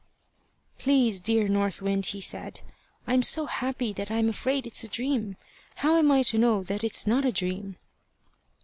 "Please, dear North Wind," he said, "I am so happy that I'm afraid it's a dream. How am I to know that it's not a dream?"